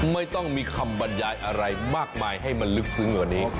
ไม่ต้องมีคำบรรยายอะไรมากมายให้มันลึกซึ้งกว่านี้